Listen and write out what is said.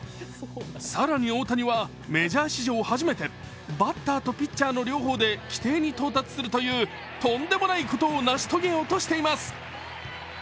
更に大谷はメジャー史上初めてバッターとピッチャーの両方で規定に到達するというとんでもないことを成し遂げようとしています。